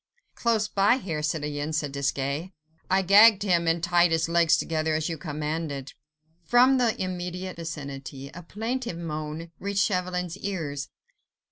"Close by here, citoyen," said Desgas; "I gagged him and tied his legs together as you commanded." From the immediate vicinity, a plaintive moan reached Chauvelin's ears.